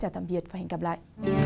tạm biệt và hẹn gặp lại